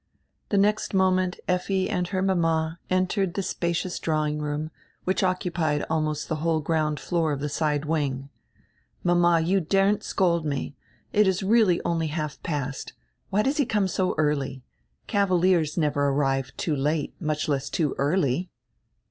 The next moment Effi and her mama entered die spacious drawing room, which occupied almost the whole ground floor of die side wing. "Mama, you daren't scold me. It is really only half past. Why does he come so early? Cavaliers never arrive too late, much less too early."